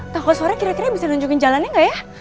kang koswara kira kira bisa nunjukin jalannya gak ya